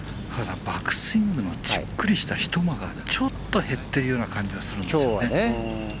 バックスイングのじっくりした一間がちょっと減っているような感じがするんですよね。